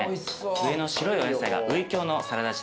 上の白いお野菜がウイキョウのサラダ仕立てです。